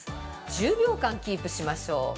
１０秒間キープしましょう。